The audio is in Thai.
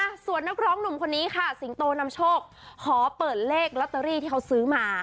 ส่วนนักร้องหนุ่มคนนี้ค่ะสิงโตนำโชคขอเปิดเลขลอตเตอรี่ที่เขาซื้อมา